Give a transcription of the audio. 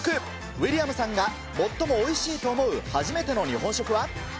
ウィリアムさんが最もおいしいと思う初めての日本食は。